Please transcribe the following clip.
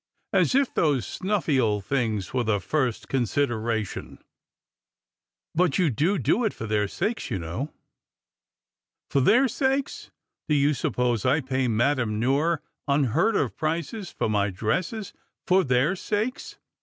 Aa if those snuflFy old things were the first consideration !"" But you do it for their sakes, you know." " For their sakes ! Do you suppose I pay Madame Noire \in heard of prices for my dresses for their sakes